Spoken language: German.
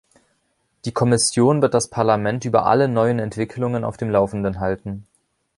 Die Kommission wird das Parlament über alle neuen Entwicklungen auf dem laufenden halten.